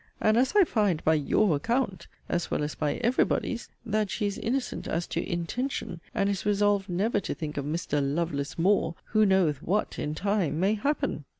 And as I find (by 'your' account, as well as by 'every body's') that she is innocent as to 'intention,' and is resolved never to think of Mr. 'Lovelace more,' who knoweth 'what' (in time) 'may happen'?